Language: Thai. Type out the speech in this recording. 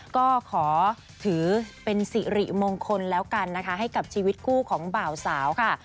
ก็ขอถือเป็นสิริมงคลแล้วกันนะคะให้กับชีวิตคู่ของบ่าวสาวค่ะ